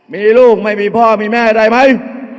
มีลูกไม่มีพ่อมีแม่ได้ไหม